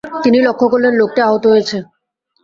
তিনি লক্ষ করলেন, লোকটি আহত হয়েছে।